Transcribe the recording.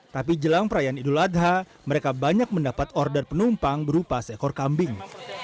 tapi jelang perayaan idul adha mereka banyak mendapat order penumpang berupa seekor kambing